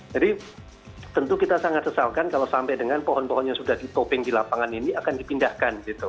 jadi tentu kita sangat kesal kalau sampai dengan pohon pohon yang sudah ditoping di lapangan ini akan dipindahkan gitu